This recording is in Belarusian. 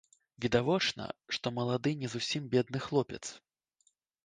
Відавочна, што малады не зусім бедны хлопец.